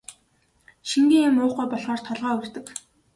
Шингэн юм уухгүй болохоор толгой өвдөг.